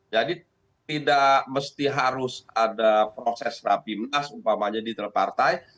jadi tidak mesti harus ada proses rapimnas umpamanya di telpartai